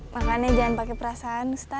makanya jangan pakai perasaan ustaz